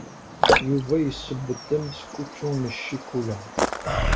Yuba yesseww-d ameskučču n ccikula.